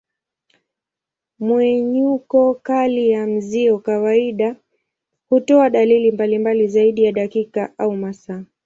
Mmenyuko kali ya mzio kawaida hutoa dalili mbalimbali zaidi ya dakika au masaa.